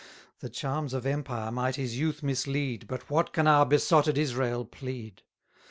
The charms of empire might his youth mislead, But what can our besotted Israel plead?